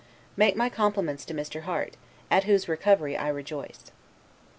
Make my compliments to Mr. Harte, at whose recovery I rejoice.